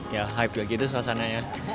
ya hype kayak gitu suasananya